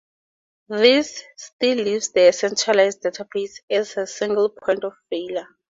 This still leaves the centralized database as a single point of failure.